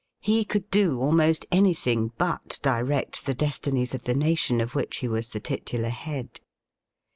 He could do almost anything but direct the destinies of the nation of which he was the titular head.